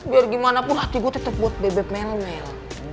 biar gimana pun hati gue tetap buat bebek mel mel